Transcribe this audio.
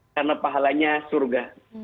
karena pahalanya surga